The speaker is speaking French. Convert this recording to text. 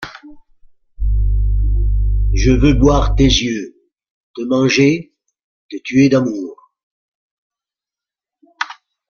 Ie veulx boire tes yeulx, te mangier, te tuer d’amour!